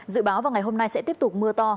dự báo vào ngày hôm nay sẽ tiếp tục mưa to